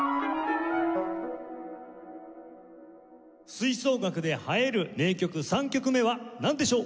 吹奏楽で映える名曲３曲目はなんでしょう？